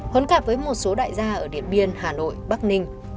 huấn cảm với một số đại gia ở điện biên hà nội bắc ninh